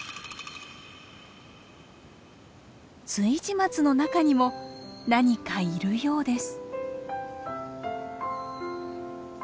築地松の中にも何かいるようです。